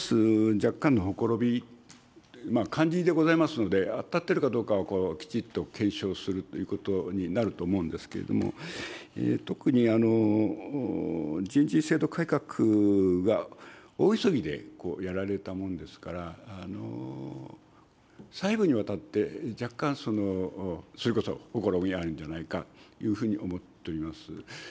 若干のほころび、感じでございますので、当たってるかどうかは、きちっと検証するということになると思うんですけれども、特に人事制度改革が大急ぎでやられたもんですから、細部にわたって、若干、それこそ、ほころびがあるんじゃないかというふうに思っております。